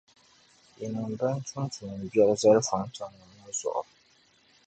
yinim’ bɛn tum tumbiɛri zali fɔntiŋ’ ŋɔ zuɣu.